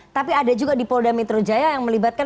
tapi ada juga di polda metro jaya yang melibatkan